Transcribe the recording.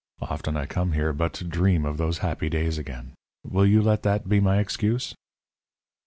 Often I come here but to dream of those happy days again. Will you let that be my excuse?"